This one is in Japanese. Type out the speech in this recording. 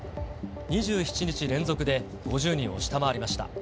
２７日連続で５０人を下回りました。